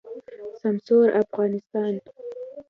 سمسور افغانستان